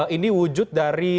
ini wujud dari